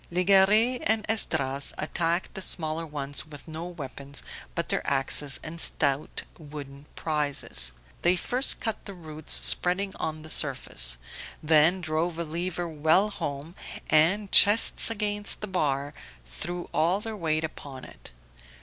Legare and Esdras attacked the smaller ones with no weapons but their axes and stout wooden Prizes. They first cut the roots spreading on the surface, then drove a lever well home, and, chests against the bar, threw all their weight upon it.